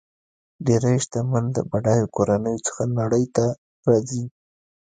ډېری شتمن د بډایو کورنیو څخه نړۍ ته راځي.